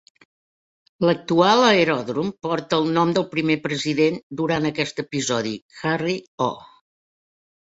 L'actual aeròdrom porta el nom del primer president durant aquest episodi, Harry O.